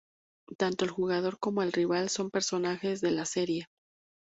Tanto el jugador como el rival son personajes de la serie.